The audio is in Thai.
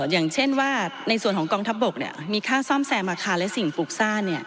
อย่างเช่นว่าในส่วนของกองทัพบกมีค่าซ่อมแซมอาคารและสิ่งปลูกซ่า